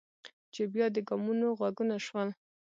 چې بیا د ګامونو غږونه شول.